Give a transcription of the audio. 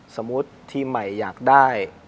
สมมุติทีมใหม่อยากได้